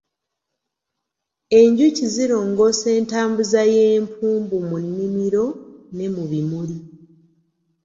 Enjuki zirongoosa entambuza y'empumbu mu nnimiro ne mu bimuli.